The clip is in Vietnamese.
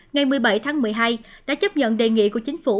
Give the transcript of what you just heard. ngày một mươi bảy tháng một mươi hai đã chấp nhận đề nghị của chính phủ